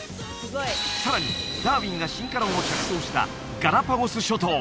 さらにダーウィンが進化論を着想したガラパゴス諸島